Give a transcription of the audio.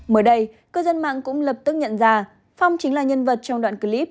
mới đây cư dân mạng cũng lập tức nhận ra phong chính là nhân vật trong đoạn clip